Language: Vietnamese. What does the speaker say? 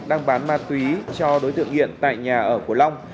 đang bán ma túy cho đối tượng nghiện tại nhà ở của long